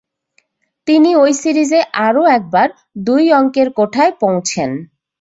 তিনি ঐ সিরিজে আরও একবার দুই অঙ্কের কোঠায় পৌঁছেন।